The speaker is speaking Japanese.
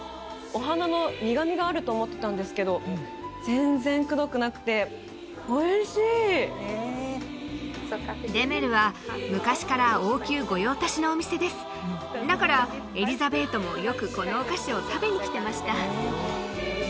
お花の苦みがあると思ってたんですけど全然くどくなくておいしいデメルは昔から王宮御用達のお店ですだからエリザベートもよくこのお菓子を食べに来てました